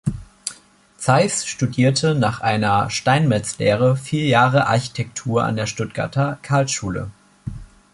Zais studierte nach einer Steinmetzlehre vier Jahre Architektur an der Stuttgarter Karlsschule.